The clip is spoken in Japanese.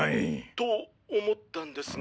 と思ったんですが。